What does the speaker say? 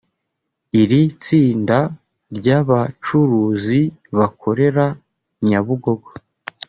Iri tsinda ry’abacuruzi bakorera Nyabugogo